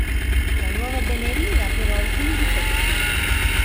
La nuova Benelli ha però alcuni difetti.